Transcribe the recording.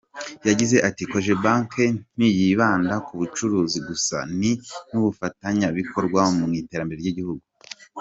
Yagize ati ″Cogebanque ntiyibanda ku bucuruzi gusa, ni n’umufatanyabikorwa mu iterambere ry’igihugu.